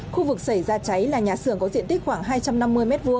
khu vực xảy ra cháy là nhà xưởng có diện tích khoảng hai trăm năm mươi m hai